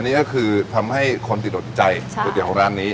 อันนี้ก็คือทำให้คนติดอดใจใช่ตัวเดี่ยวของร้านนี้